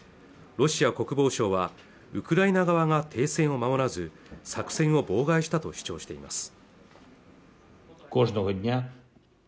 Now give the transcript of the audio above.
ロシア国防省はウクライナ側が停戦を守らず作戦を妨害したと主張しています